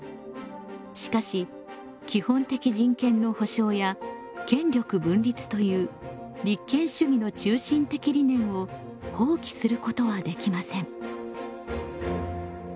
しかし基本的人権の保障や権力分立という立憲主義の中心的理念を放棄することはできません。